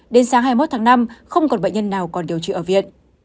đến sáng hai mươi một tháng năm không còn bệnh nhân nào còn điều trị ở viện